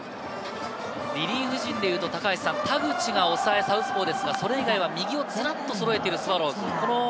リリーフ陣でいうと、田口が抑え、サウスポーですがそれ以外では右をズラっとそろえているスワローズ。